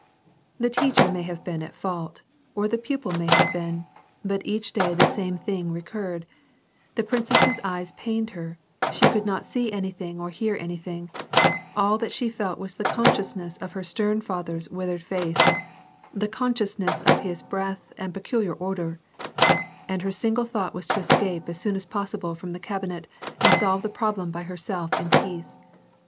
The teacher may have been at fault, or the pupil may have been, but each day the same thing recurred ; the prin cess's eyes pained her ; she could not see anything or hear any thing; all that she felt was the consciousness of her stern father's withered face, the consciousness of his breath and peculiar odor, and her single thought was to escape as soon as possible from the cabinet and solve the problem by herself in peace.